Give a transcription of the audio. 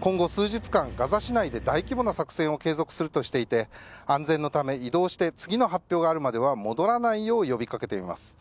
今後数日間、ガザ市内で大規模な作戦を継続するとして安全のため、移動して次の発表があるまでは戻らないよう呼びかけています。